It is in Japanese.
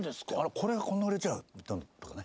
これがこんなに売れちゃう？とかね。